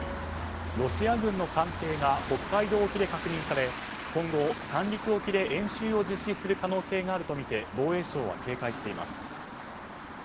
ロシア軍の艦艇が北海道沖で確認され今後、三陸沖で演習を実施する可能性があるとみて防衛省は警戒しています。